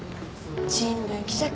新聞記者か。